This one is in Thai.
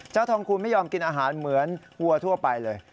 ทองคูณไม่ยอมกินอาหารเหมือนวัวทั่วไปเลย